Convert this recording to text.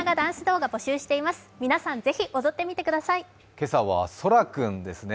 今朝は、そら君ですね。